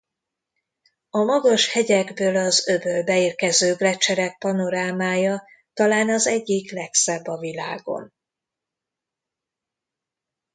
A magas hegyekből az öbölbe érkező gleccserek panorámája talán az egyik legszebb a világon.